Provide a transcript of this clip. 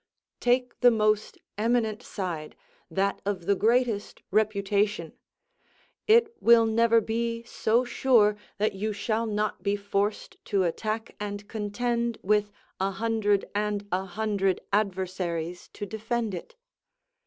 Take the most eminent side, that of the greatest reputation; it will never be so sure that you shall not be forced to attack and contend with a hundred and a hundred adversaries to defend it.